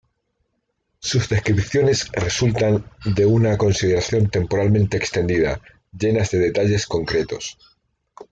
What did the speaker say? Sus descripciones resultan de una consideración temporalmente extendida, llenas de detalles concretos.